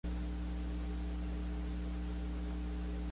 Entonces el mafioso cuelga el vídeo de la humillación de Bishop en YouTube.